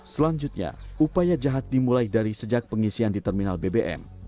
selanjutnya upaya jahat dimulai dari sejak pengisian di terminal bbm